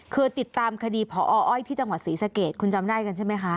เคยติดตามคดีพออ้อยที่จังหวัดศรีสะเกดคุณจำได้กันใช่ไหมคะ